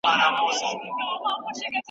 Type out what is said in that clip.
خپل دین مه هېروئ.